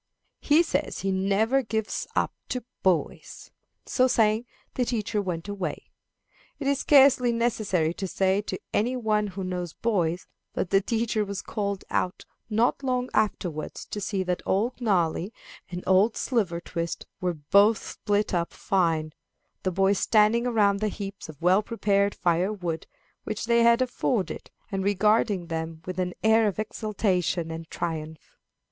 He says he never gives up to boys." So saying, the teacher went away. It is scarcely necessary to say to any one who knows boys that the teacher was called out not long afterwards to see that Old Gnarly and Old Slivertwist were both split up fine the boys standing around the heaps of well prepared fire wood which they had afforded, and regarding them with an air of exultation and triumph.